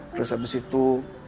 terus abis itu